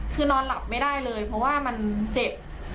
คือนอนหลับไม่ได้เลยเพราะว่ามันเจ็บ